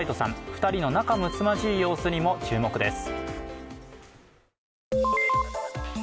２人の仲むつまじい様子にも注目です。